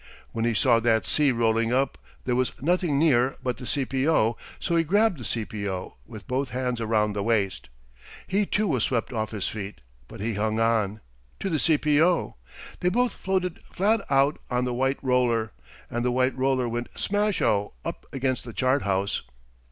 When he saw that sea rolling up there was nothing near but the C. P. O., so he grabbed the C. P. O. with both hands around the waist. He too was swept off his feet, but he hung on to the C. P. O. They both floated flat out on the white roller, and the white roller went smash o! up against the chart house.